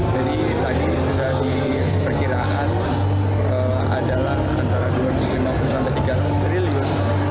jadi tadi sudah diperkirakan adalah antara rp dua ratus lima puluh tiga ratus triliun